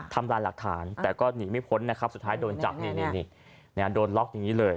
ลายหลักฐานแต่ก็หนีไม่พ้นนะครับสุดท้ายโดนจับนี่โดนล็อกอย่างนี้เลย